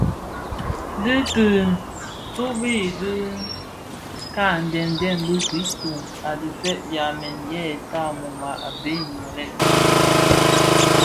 Dhitutubi di ka dhembèn bi- kristus a dhifeg byamèn yë tannum a bheg nloghèn.